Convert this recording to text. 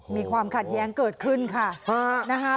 มีความขัดแย้งเกิดขึ้นค่ะนะคะ